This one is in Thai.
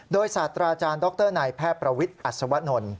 โดยศาสตราจารย์ดรนายแพทย์ประวิทย์อัศวนล